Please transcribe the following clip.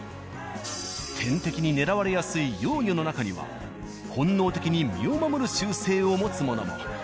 天敵に狙われやすい幼魚の中には本能的に身を守る習性を持つものも。